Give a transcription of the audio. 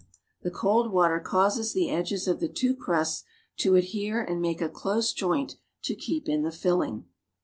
The cold water causes the edges of the two crusts to adhere and make a close joint to keep in the fliling.